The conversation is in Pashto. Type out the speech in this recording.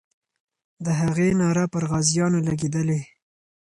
د هغې ناره پر غازیانو لګېدلې.